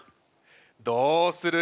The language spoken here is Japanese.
どうする？